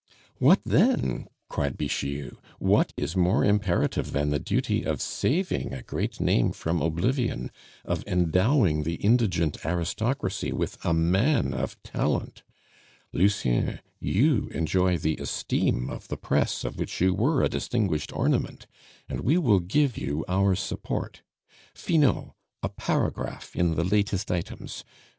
"What then!" cried Bixiou; "what is more imperative than the duty of saving a great name from oblivion, of endowing the indigent aristocracy with a man of talent? Lucien, you enjoy the esteem of the press of which you were a distinguished ornament, and we will give you our support. Finot, a paragraph in the 'latest items'!